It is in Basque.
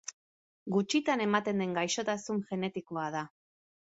Gutxitan ematen den gaixotasun genetikoa da.